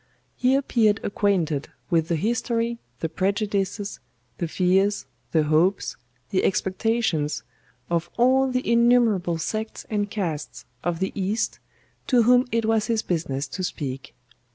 He appeared acquainted with the history, the prejudices, the fears, the hopes, the expectations of all the innumerable sects and castes of the East to whom it was his business to speak.